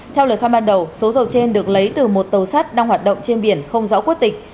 theo lời khai ban đầu số dầu trên được lấy từ một tàu sắt đang hoạt động trên biển không rõ quốc tịch